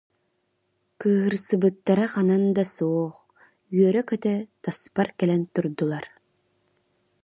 Кыыһырсыбыттара ханан да суох, үөрэ-көтө таспар кэлэн турдулар